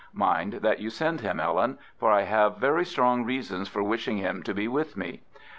Mind that you send him, Ellen, for I have very strong reasons for wishing him to be with me.